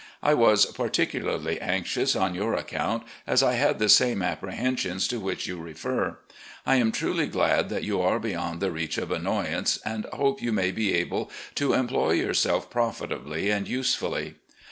I was particularly anxious on your account, as I had the same apprehensions to which you refer. I am truly glad that you are beyond the reach of annoyance, and hope you may be able to employ yourself profitably and usefully.